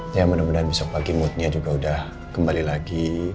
ya mudah mudahan besok pagi moodnya juga udah kembali lagi